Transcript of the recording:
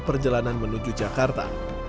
perjalanan menuju jakarta